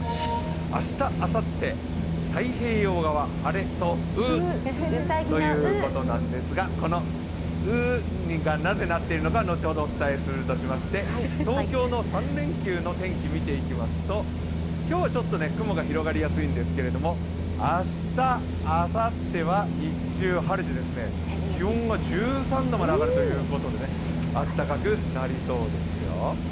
明日、あさって、太平洋側晴れそ卯ということなんですがこの「卯」がなぜなっているのかは後ほどお伝えするとしまして東京の３連休の天気、見ていきますと今日はちょっと雲が広がりやすいんですけれども明日、あさっては日中晴れて気温が１３度まで上がるということで暖かくなりそうですよ。